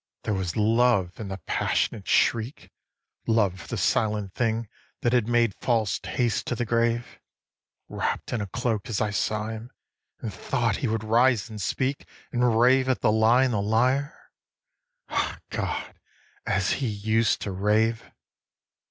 _ there was love in the passionate shriek, Love for the silent thing that had made false haste to the grave Wrapt in a cloak, as I saw him, and thought he would rise and speak And rave at the lie and the liar, ah God, as he used to rave.